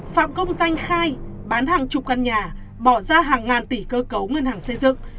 phạm công danh khai bán hàng chục căn nhà bỏ ra hàng ngàn tỷ cơ cấu ngân hàng xây dựng